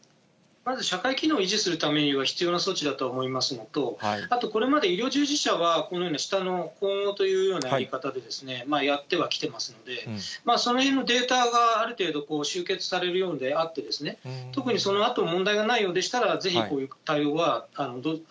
まず、社会機能を維持するためには必要な措置だと思いますのと、あとこれまで、医療従事者は、このように下の今後というやり方でやってはきてますので、そのへんのデータがある程度集結されるのであって、特にそのあと問題がないようでしたら、ぜひこういう対応は可能だと。